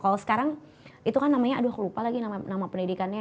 kalau sekarang itu kan namanya aduh aku lupa lagi nama pendidikannya